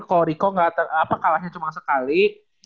kalau rico kalahnya cuma sekali